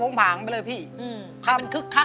สวัสดีครับ